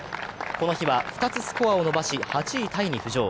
この日は２つスコアを伸ばし８位タイに浮上。